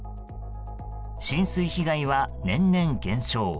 浸水被害は年々減少。